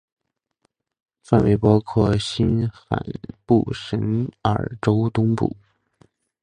范围包括新罕布什尔州东部。